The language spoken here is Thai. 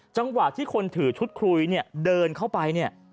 จังหวะที่คนถือชุดคุยเนี่ยเดินเข้าไปเนี่ย